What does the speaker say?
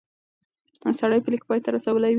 سړی به لیک پای ته رسولی وي.